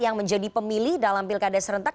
yang menjadi pemilih dalam pilkada serentak